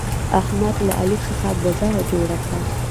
احمد له علي څخه بزه جوړه کړه.